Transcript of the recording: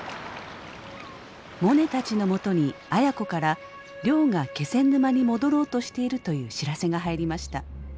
モネたちのもとに亜哉子から亮が気仙沼に戻ろうとしているという知らせが入りました。